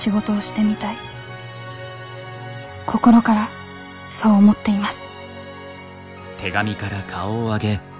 心からそう思っています」。